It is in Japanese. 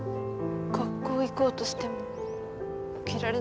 学校行こうとしても起きられなくなった。